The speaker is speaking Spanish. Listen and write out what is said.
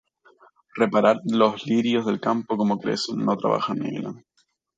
Reparad los lirios del campo, cómo crecen; no trabajan ni hilan;